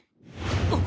あっ！？